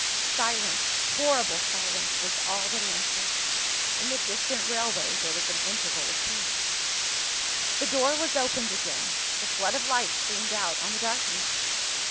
Silence, horrible silence, was all that answered. In the distant railway there was an interval of peace. The door was opened again; the flood of light streamed out on the darkness.